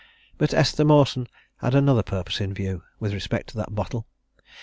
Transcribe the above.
But Esther Mawson had another purpose in view, with respect to that bottle.